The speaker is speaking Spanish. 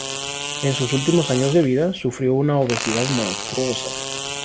En sus últimos años de vida, sufrió de una obesidad "monstruosa".